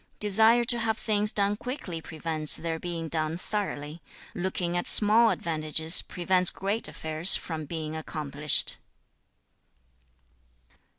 Desire to have things done quickly prevents their being done thoroughly. Looking at small advantages prevents great affairs from being accomplished.'